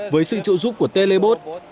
với sự trụ giúp của telebot